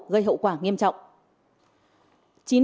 gây hậu quả nghiêm trọng